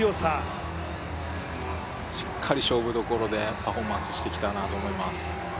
しっかり勝負どころでパフォーマンスしてきたなと思います。